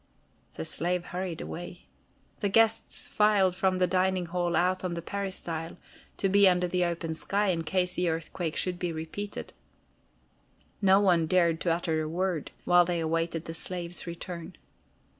The slave hurried away. The guests filed from the dining hall out on the peristyle, to be under the open sky in case the earthquake should be repeated. No one dared to utter a word, while they awaited the slave's return.